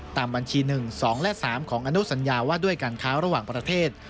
ตามบัญชี๑๒และ๓ของอนุสัญญาว่าด้วยการค้าระหว่างประเทศ